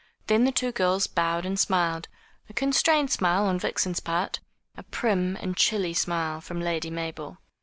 Then the two girls bowed and smiled: a constrained smile on Vixen's part, a prim and chilly smile from Lady Mabel.